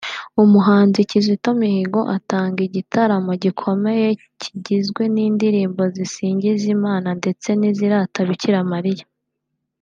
umuhanzi Kizito Mihigo atangayo igitaramo gikomeye kigizwe n’indirimbo zisingiza Imana ndetse n’izirata Bikira Mariya